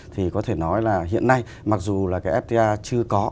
thì có thể nói là hiện nay mặc dù là cái fta chưa có